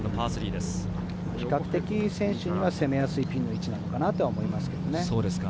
比較的、選手には攻めやすい、ピンの位置なのかなと思います。